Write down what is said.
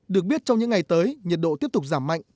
được biết trong những ngày tới nhiệt độ tiếp tục giảm mạnh